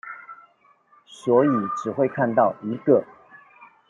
所以只會看到一個